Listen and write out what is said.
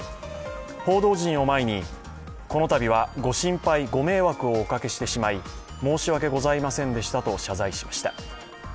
報道陣を前に、このたびはご心配、ご迷惑をおかけしてしまい、申し訳ございませんでしたと謝罪しました。